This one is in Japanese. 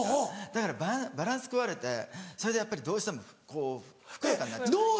だからバランス壊れてそれでやっぱりどうしてもこうふくよかになっちゃう。